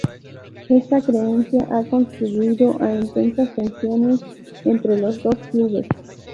Esta creencia ha contribuido a intensas tensiones entre los dos clubes.